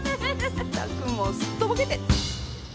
まったくもうすっとぼけて。